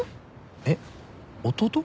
えっ弟？